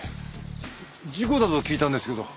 事故だと聞いたんですけど。